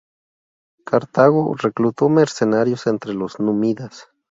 Cartago reclutó mercenarios entre los númidas.